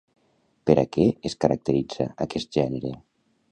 Per a què es caracteritza aquest gènere?